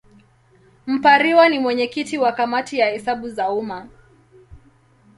Mpariwa ni mwenyekiti wa Kamati ya Hesabu za Umma.